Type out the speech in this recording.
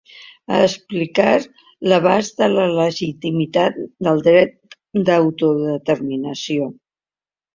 A explicar l’abast de la legitimitat del dret d’autodeterminació.